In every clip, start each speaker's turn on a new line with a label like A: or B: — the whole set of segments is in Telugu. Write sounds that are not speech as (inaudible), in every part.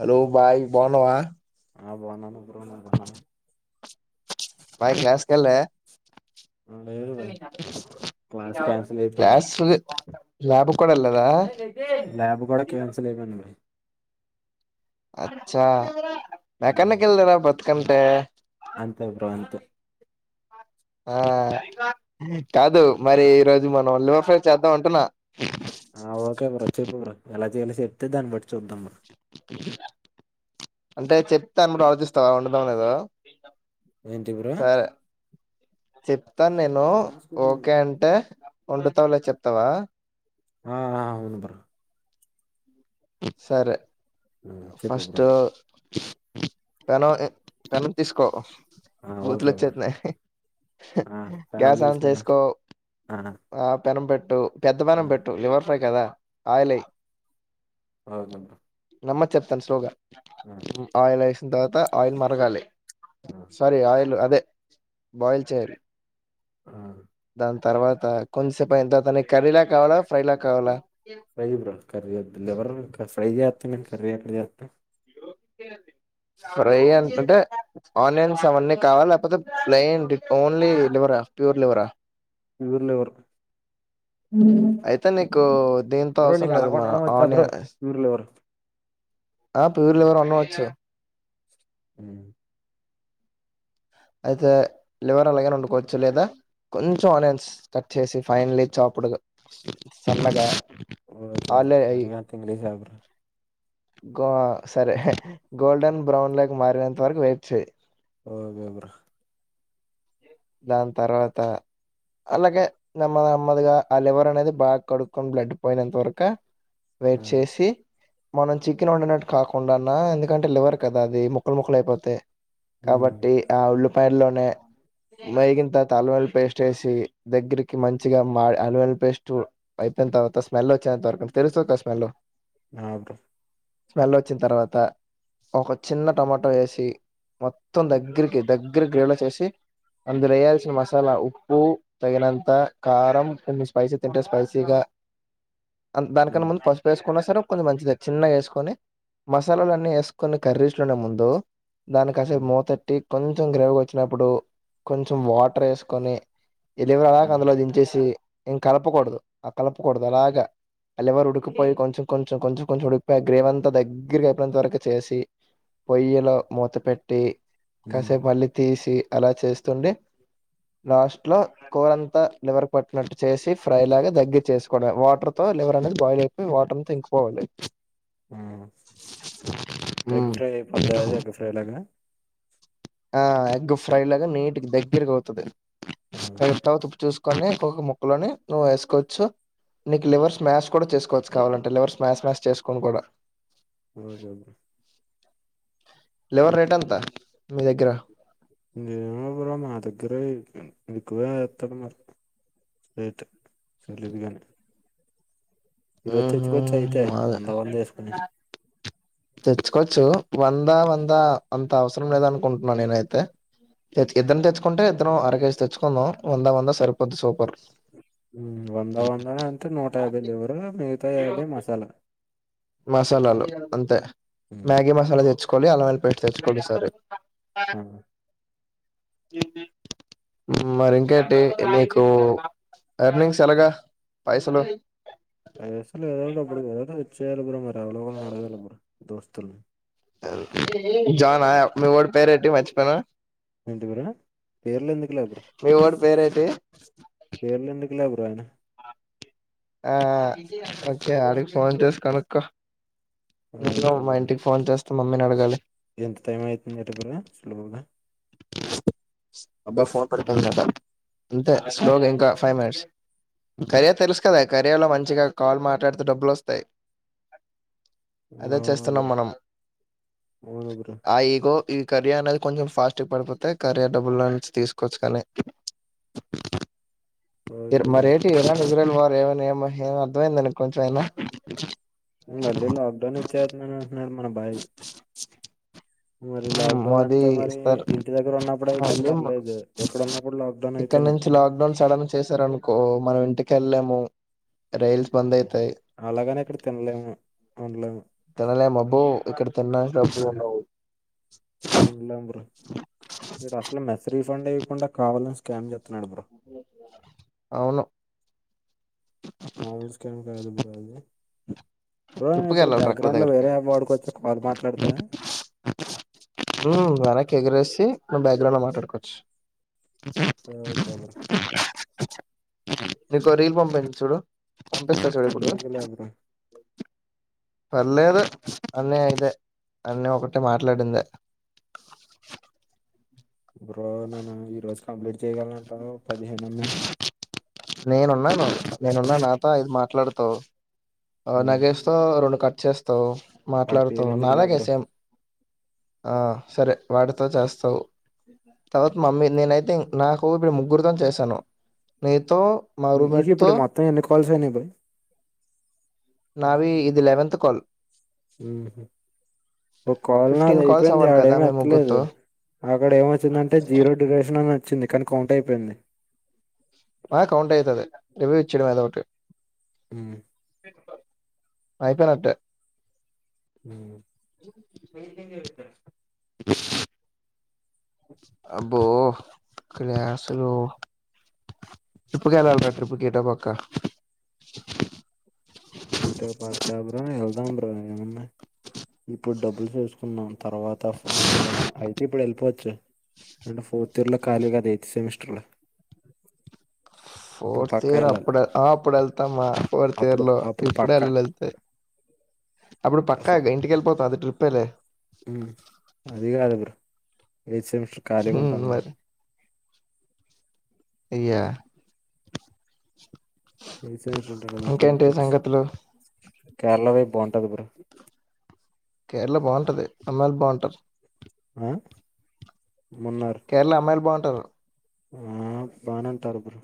A: హలో భాయ్ బాన్నవా
B: ఆ బాన్నాను నువ్ కూడా బాన్నా
A: బాయ క్లాస్ కెల్లె
B: లేదు భయ్ క్లాస్ క్యాన్సిల్ అయిపోయింది
A: క్లాస్ లాబ్ కూడా ఎల్లేదా
B: ల్యాబ్ కూడా క్యాన్సిల్ అయిపోయింది భయ్
A: అచ్చా
B: ఉమ్,
A: మెకనికల్దేరా బత్ కంటే
B: అంతే బ్రో అంతే
A: ఆ కాదు మరి ఈ రోజు మనం లో ఫైర్ చేద్దాం అంటున్న
B: ఆ ఓకే బ్రో చెప్పు బ్రో ఎలా చేయాలి చెప్తే దాన్ని బట్టి చూద్దమ
A: అంటే చెప్తన్ బ్రో ఆలోచిస్తా ఉండదా ఉండదో
B: ఏంటి బ్రో
A: సరే చెప్తాను నేను ఓకే అంటే ఒండుతావులే చెప్తవా
B: ఆ అవును బ్రో
A: సరే
B: ఉమ్, చెప్పు
A: ఫస్ట్
B: బ్రో
A: పెనం పెనం తీసుకో
B: ఆ
A: బూతులు
B: ఓకే బ్రో
A: వచ్చేతున్నాయ్
B: ఆ పెనం
A: గ్యాస్ ఆన్
B: తీసుకున్నా
A: చేసుకో ఆ పెనం పెట్ టు పెద్ద పెనం
B: ఆ
A: పెట్టు లివర్ ఫ్రై కదా అయిలెయ్
B: అరగంటా
A: నమ్మది చెప్తాను స్లోగా ఆయిలై తర్వాత ఆయిల్ మరగాలి
B: ఆ
A: సరి అయిల్ అదే బాయిల్చేరు
B: ఆ
A: దాన్ తర్వాత కొంచసేపు అయిన తర్వాత కర్రీ లా కావాలా ఫ్రై లాగా కావాలా
B: లైవ్ వర్కర్లు లెవర్ వర్ ఫ్రై చేస్తున్నవ్ ఏంటి కర్రి ఎందుక్ చేస్త
A: ఫ్రై అంటంటే ఆనియన్స్ అవన్నీ కావాల లేకపోతే ప్లయిన్ ఓన్లీ లివరా ప్యూర్ లివరా.
B: ప్యూర్ లివర్
A: అయితే నీకు దీంతో
B: బ్రో
A: అవసరం
B: నీకు
A: లేదు మన
B: అలాగండడం వచ్చా బ్రో
A: ఆనియన్
B: ప్యూర్ లివర్.
A: ఆ ప్యూర్ లివర్ ఎవరు అన్ని వచ్
B: హ్మ్
A: అయితే లివర్ అలాగనే వండుకోవచ్చు లేదా కొంచెం ఆనియన్స్ కట్ చేసి ఫైనలీ చాపుడ్ సన్నగా.
B: ఓకే బ్రో మరి అంత ఇంగ్లీష్ కాదు బ్రో
A: గోవా సరే గోల్డన్ బ్రౌన్లోకి మరిన్ త వరకు వెయిట్ చెయ్
B: ఓకే బ్రో
A: దాన్ తర్వాత అలాగే నెమ్మ నెమ్మదిగా ఆ లివర్ అనేది బాగా కడుకొని బ్లడ్ పోయినంత వరక వెయిట్
B: హ్మ్
A: చేసి మనం చికెన్ వండినట్టు కాకుండాన్న ఎందుకంటే లివర్ కదా అది ముక్కలు ముక్కలు అయిపోతాయ్
B: హ్మ్
A: కాబట్టి ఆబ్లూ ఫైర్ లోనే మేగిన తర్వాత అల్వల్ పేస్ట్ వేసి దగ్గరికి మంచిగా మా అల్వల్ పేస్ట్ అయిన్ తర్వాత స్మెల్ వచ్చినంతవరకు తెర్చోదు ఆ స్మెల్
B: అద
A: స్మెల్ వచ్చిన తర్వాత ఒక చిన్న టమాటా వేసి మొత్తం దగ్గరికి దగ్గర గ్రేలో చేసి అందులో వేయాల్సిన మసాలా ఉప్పు తగినంత కారం కొన్ని స్పైసీ తింటే స్పైసీగా అ దానికన్నా
B: హ్మ్
A: ముందు పసుపు వేసుకొసనం కొంచెం మంచిది చిన్నగా వేసుకొని మసాలాలన్నీ వేసుకోని కర్రీస్లోనే ముందు దానికి కాసేపు
B: హ్మ్
A: మూతపెట్టి కొంచెం గ్రేవ్ వచ్చినప్పుడుకు కొంచెం వాటర్ వేసుకొని ఎలేవరా
B: హ్మ్
A: అందులో దించేసి ఇం కలపుకూడదు ఆ కలపుకూడదు అలాగా ఆ లివర్ ఉడుకుపోయి కొంచెం కొం కొంచెం కొంచెం కొంచెం ఉడికిపోయ్ గ్రేవ్ అంతా దగ్గరకి అయిపోయినంత వరకు చేసి పొయ్యిలో మూత పెట్టి
B: హ్మ్
A: కాసేపు మళ్ళీ తీసి అలా చేస్త్ అండే లాస్ట్ లో కూరంతా లివర్ పట్టినట్టు చేసి ఫ్రై లాగా దగ్గరకి చేసుకోవడమే వాటర్ తో లివర్ అనేది బాయిల్ అయిపోయి వాటర్ అంత ఇంకి పోవాలి
B: ఉమ్ ఎగ్
A: ఉమ్
B: ఫ్రై పద్దది ఎగ్ ఫ్రై లాగాన
A: ఆ ఎగ్ ఫ్రై లాగా నీటికి దగ్గరకి అవుతాది
B: ఆ!
A: అయింతర్వాత ఉప్పు చూసుకొని తో ముక్కలోని తో నువ్వు వేసుకోవచ్చు నీకు లివర్ స్మాష్ కూడా చేసుకోవచ్చు కావాలంటే లివర్ స్మాష్ స్మాస్ష్ చేసుకుని కూడా
B: ఓకే బ్రో
A: లివర్ రేట్ ఎంత మీ దగ్గర
B: ఎమో బ్రో మా దగ్గరే ఎట్లా ఎకువే ఎత్తడు మరి రేట్ చెల్లుదిగగాని ఇరవై
A: ఉహు
B: తెచ్చుకోవచ్చు అయితే
A: అదే
B: వంద వంద వేసుకొని
A: తెచ్చుకోవచ్చు వంద వంద అంత అవసరం లేదు అనుకుంటున్నాన నేనైతే ఇద్ ఇద్దరం తెచ్చుకుంటే ఇద్దరం అర కేేజీ తెచ్చుకుందాం వంద వంద సరిపోద్ది సూపర్
B: ఉ వంద వందనే అంతే నూట యాభై లివరు మిగిత యాభై మసాలా
A: మసాలాలు అంతే
B: హ్మ్
A: మ్యాగీ మసాలా తెచ్చుకోవాలి అల్లంవెల్లుల్లి పేస్ట్ తెచ్చుకోవాలి సరే
B: ఆ
A: మరి ఇంకేటి మీకు ఎర్నింగ్స్ ఎలాగా పైసలు
B: పైసలు (unintelligible) ఇచ్చేయాలి బ్రో ఎవలెవన్లో అడగను బ్రో దోస్ తుల్
A: (inaudible) జాన్ ఆయా మీవోడు పేరేన్ టీ మచ్చిపోయిన
B: ఏంటి బ్రో పేర్లు ఎందుకులే ఇప్పుడు
A: మీ వోడి పేరేటి
B: పేర్లు ఎందుక్ ఇళ్ల బ్రో అయిన
A: ఆ ఓకే ఆడికి ఫోన్ చేసు కనుక్కో ఉండు
B: ఓకే
A: మా
B: బ్రో
A: ఇంటికి ఫోన్ చేస్ మమ్మీని అడగాలి
B: ఎంత టైమ్ అయితుందట బ్రో (unintelligible)
A: అబ్బా ఫోన్ పడిపోయిందట అంతే స్లోగా ఇంకా ఫైవ్ మినిట్స్ కరియ తెలుసు కదా కరియ లో మంచిగా కాల్ మాట్లాడుతే డబ్బులు వస్తాయి అదే
B: అవును
A: చేస్తున్నాం
B: బ్రో
A: మనం
B: అవును బ్రో
A: ఆ ఈగో ఈ కరీయ అనేద్ కొంచం ఫాస్టుగ పడిపోతయి కార్య డబులో నుంచి తీసుకొచ్చుగానీ మీరు
B: ఓకే బ్రో
A: మరేటి ఇరాన్ ఇజ్రైల్ వార్ ప్రేమ నయమ్మ ఏం అర్థమైంద నీకు కొంచెం అయినా
B: మళ్ళీ లాక్డౌన్ అచ్చెత్తున్నది అంటున్నాడు మన బాయి
A: హమ్ మోదీ ఇస్తారు
B: దగ్గర ఉన్నప్పుడు అయితే
A: మళ్ళీ
B: పర్లేదు ఎక్కడ ఉన్నప్పుడు లాక్డౌన్
A: ఇక్కడ
B: అయితేనే
A: నుంచి లాక్డౌన్ సడన్ చేశారనుకో మనం ఇంటికి కెళ్ళేము రైల్స్ బంద్ అయితయి
B: అలాగనే ఇక్కడ తినలేము ఉండలేం
A: తినలేం అబ్బో ఇక్కడ తినడానికి డబ్బులు ఉండవు
B: ఉండలేం బ్రో ఈడ అస్సలే మెస్రి కొండ ఇవకుండా కావాలని స్కామ్ చేత్
A: అవును
B: మామూల్ స్కామ్ కాదు బ్రో అది బ్రో నేను ఇప్పుడు
A: ట్రిప్‌కెళ్ళాలి రెక్కల
B: బ్యాక్‌గ్రౌండ్ లో
A: దగ్గరికి.
B: వేరే అబౌడ్ కొచ్చి కాల్ మాట్లాడతా
A: ఇప్పుడు వెనక్కి ఎగిరేసి మనం బ్యాక్‌గ్రౌండ్ లో మాట్లాడుకోవచ్చు
B: ఓకే బ్రో
A: (unintelligible) నీకో రీలు పంపించ్ చూడు
B: ఎందుకులే
A: (unintelligible)
B: బ్రో
A: పర్లేదు అన్న ఇదే అన్న ఒకటే మాట్లాడిందే
B: బ్రో నేను ఈ రోజు కంప్లీట్ చెయ్యగలనంటావా పదిహేను ఉన్నాయ్
A: నేనున్నాను నేనున్నా నాతో ఐదు మాట్లాడుతావు
B: ఉమ్,
A: నగేష్ తో రెండు కట్ చేస్తావు
B: వాడి పేరు
A: మాట్లాడుతావు
B: ఎందుకులే
A: నాలాగే
B: బ్రో
A: సేం ఆ సరే వాడితో చేస్తావు తర్వాత మమ్మీ నేనైతే నాకు మీ ముగ్గురితోనీ చేశాను నీతో మా
B: ఈ
A: రూమ్మేట్ తో
B: ఇప్పుడు మొత్తం ఎన్ని కాల్స్ అయినాయి బ్రో
A: నావి ఇది లెవెంత్ కాల్
B: ఊహూ ఒక కాల్ నాది
A: ఫిఫ్టీన్ కాల్స్
B: అయిపోయింది
A: అవ్వాలి
B: ఆడు
A: కదా
B: ఏం
A: మేము
B: ఎత్తలేదు
A: ముగ్గురుతో
B: అక్కడ ఏమొచ్చిందంటే జీరో డ్యురేషన్ అని చ్చింది కానీ కౌంట్ అయిపోయింది
A: ఆ కౌంట్ అయితాది రివ్యూ ఇచ్చేడం ఏదో ఒకటి
B: ఉమ్,
A: అ అయిపోయినట్టే
B: ఉమ్ (unintelligible)
A: బ అం పో క్లాస్ లో ట్రిప్పు కెళ్ళాలి రా ట్రిప్ కి ఎటో పక్క
B: ఇంతో పక్క బ్రో వెళ్దాం బ్రో ఏముంది ఇప్పుడు డబ్బులు చేసుకున్నాం తర్వాత ఫ్రా నే కదా అయితే ఇప్పుడు వెళ్ళిపోవచ్చు ఈడ ఫోర్త్ ఇయర్ లో ఖాళీ గదా ఎయిత్ సెమిస్టర్లో
A: ఫోర్త్ ఇయర్ అప్పుడే ఆ అప్పుడెళ్తామా ఫోర్త్ ఇయర్
B: అప్పుడు
A: లో
B: అప్పుడు
A: ఇప్పుడే
B: పక్కా
A: వెళ్ళాల ఎళ్తే అప్పుడు పక్కాగా ఇంటికెళ్ళిపోతా అది ట్రిప్ ఏలే
B: ఉమ్ అదిగాద్ బ్రో ఎయిత్ సెమి ఖాళీగుంటాం గా
A: మరి ఇయ్యా
B: ఏసేట్లుంటే గాని అప్పుడెళ్ళిపోవచ్చు
A: సంగతులు
B: కేరళ వైపు బావుంటది బ్రో
A: కేరళ బాగుంటది అమ్మాయ్లు బాగుంటారు
B: ఆ మున్నార్
A: కేరళ అమ్మాయ్లు బాగ్ టర్
B: ఆ బానే ఉంటారు గురు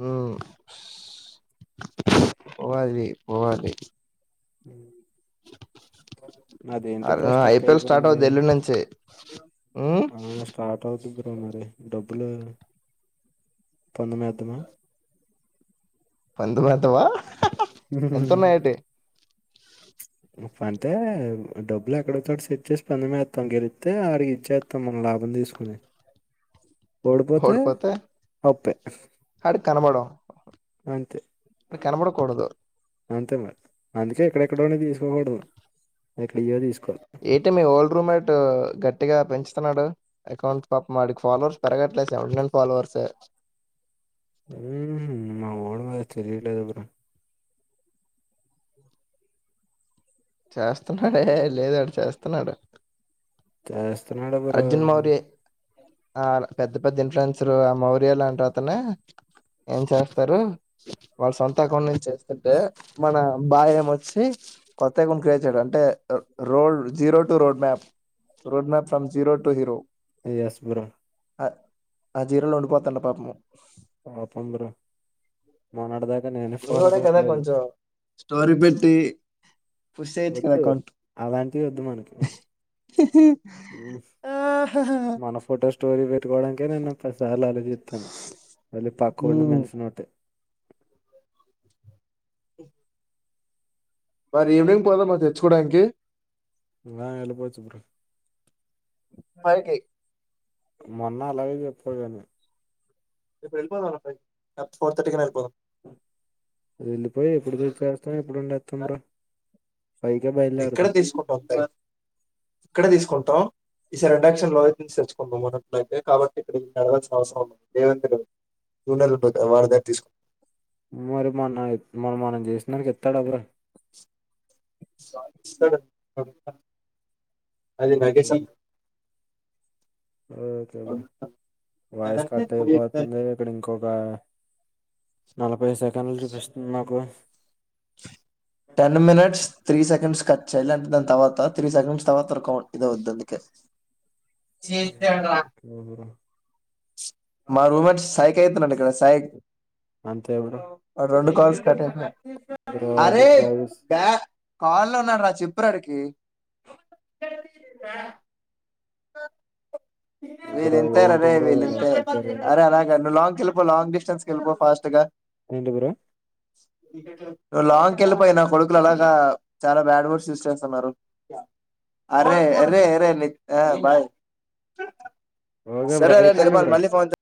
A: మ్మ్ పొవాలి పోవాలి
B: హ్మ్మ్ అదేంటి బ్రో స్టక్
A: ఐపీఎల్ స్టార్ట్
B: అయిపోయింది
A: అవుద్ది ఎల్లుండి నుంచి
B: ఆ స్టార్ట్ అవుద్ధి బో ఎట్లా మరి డబ్బులు పందెం వేద్దామా
A: పందెం ఆ ఏతవా ఎంత ఉన్నా ఎటి
B: (unintelligible) అంతే డబ్బులు ఎక్కడో ఓక్చోట తెచ్చేసి పందెంమేతాం గెలితే ఆడికి ఇచ్చేతాం మనం లాభం తీస్కొన్ని ఓడిపోతే అప్పే అంతే
A: మీక్ కనపడకూడదు
B: అంతే మరి అందుకే ఎక్కడెక్కడోనే తీసుకోకూడదు ఎక్కడ్ ఇయ్యో తీసుకో
A: ఏటో మీవోల్లు రూమ్ ఎట్టు గడ్ గట్టిగా పెంచుతున్నాడు అకౌంట్ పాపం ఆడికి ఫాలోవర్స్ పెరగట్లేదు సేవంటీ నైన్ ఫాలోవర్స్ యే
B: మ్మ్ మా వోడు విలువ తెలియట్లేదు (inaudible)
A: చేస్తాన్నాడే లేదాడు చేస్తాన్నాడు
B: చేస్త్ తున్నాడు బ్రో
A: ఆలా పెద్ద పెద్ద ఇన్ఫ్రెండ్స్లు ఆ మౌర్యలాంట్ అతనే ఏం చేస్తారు. వాళ్ళ సొంత అకౌంట్ నుంచి చేస్తుంటే మన (unintelligible) వచ్చి కొత్త అకౌంట్ క్రియేట్ చేయారు అంటే road zero టటు road map road map from zero to hero
B: yes bro
A: ఆ ఆజీరోలో ఉండిపోతాండు పాపము
B: పాపం బ్రో మొన్నటిదాకా నేనే ఫాలో
A: (unintelligible)
B: అవ్వట్లేదు
A: కొంచెం స్టోరీ పెట్టి పుషేయోచ్ కాద్
B: వద్దు
A: కొంచెం
B: అలాంటివి వద్దు మనకి (unintelligible) పెట్టుకోవడానీకే నేను పది సార్లు ఆలోతితాను మళ్ళీ పక్కనున్న
A: మ్మ్
B: మనిషినొక్కటి
A: మరి ఈవినింగ్ పోదామా తెచ్చుకోవడానికి
B: రా ఏళ్లిపోవచ్చు బ్రో
A: అవ్కాయ్
B: మొన్న అలాగే (unintelligible)
A: ఇప్పుడెలిపోదాం అబ్బాయ్ లేక్పోత్ ఫోర్ర్టీకన్నా వెళ్ళిపోదాం
B: వెళ్ళిపో ఎప్పుడికి ఏకేస్తాం ఎప్పుడు వండేతం బ్రో పైకే
A: ఎక్కడ
B: బయలుదేరుతాం
A: తీసుకుంటాం అంత ఇక్కడ తీసుకుంటాం ఈసారి రెడాక్షన్ లో తెచ్చుకుందాం మొన్నట్లయితే కాబట్టి ఇక్కడ నడవల్సిన అవసరం ఉంది దేవెందడు వాడ్ దగ్గర తీసుకుంటాం
B: మరి మన మనం మనం చేసినానికి ఎస్తాడుబరా
A: ఇస్తాడు అది
B: ఓకే
A: నాకేసి
B: bro okay bro voice cut అయిపోతుంది ఇక్కడ ఇంకొక నల ఒక సక చూపిస్తుంది నాకు
A: టెన్ మినిట్స్ త్రీ సెకండ్స్ కట్యింటే దాని తర్వాత త్రీ సెకండ్స్ తర్వాత ఒక ఇదివుద్ అందుకే మా రూమ్మేట్ సైక్ అవుతున్నాడు ఇక్కడ సైక్
B: అంత ఎప్పుడ
A: వాడు రెండు బ కాాల లో ఉన్న నా చిప్పురారికి
B: దా
A: ఆ వీళ్లి
B: బ్రో ఏంటి
A: ఇంతయరరే
B: బ్రో
A: వీలి
B: ఇలా
A: ఇంతే
B: కట్టారు
A: అరే అనగాంగ్ గెపో లాంగ్ డిస్టెన్స్ కెలిపో ఫాస్ట్గా
B: ఏంటి బ్రో
A: నువ్వు లాంగ్కి వెళ్ళిపోయినా కొడుకులు అలాగా చాలా బ్యాడ్ వర్డ్స్ చయూస్ చేస్తున్నారు అరేరేరే న ఆ భయ్
B: ఓకే బ్రో
A: సరే అ
B: అయిపోయింది
A: రపల్
B: బ్రో
A: మళ్ళీ ఫోన్